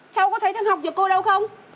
cháu có thấy thằng học giữa cô đâu không